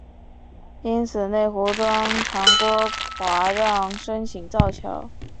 因此内湖庄长郭华让申请造桥。